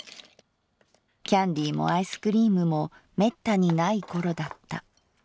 キャンディーもアイスクリームもめったにない頃だった」。